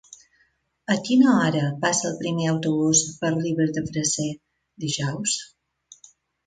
A quina hora passa el primer autobús per Ribes de Freser dijous?